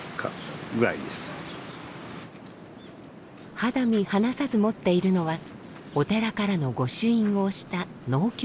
肌身離さず持っているのはお寺からの御朱印を押した納経帳。